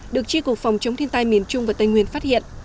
được tri cục phòng chống thiên tai miền trung và tây nguyên phát hiện